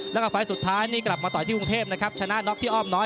แล้วก็ไฟล์สุดท้ายนี่กลับมาต่อที่กรุงเทพนะครับชนะน็อกที่อ้อมน้อย